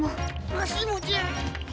わしもじゃ。